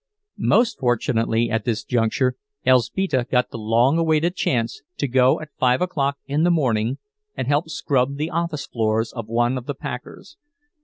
Most fortunately, at this juncture, Elzbieta got the long awaited chance to go at five o'clock in the morning and help scrub the office floors of one of the packers.